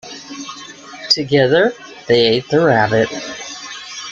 Together they ate the rabbit.